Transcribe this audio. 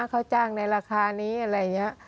เขาจ้างในราคานี้อะไรอย่างนี้